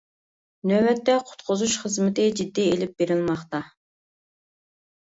نۆۋەتتە قۇتقۇزۇش خىزمىتى جىددىي ئېلىپ بېرىلماقتا.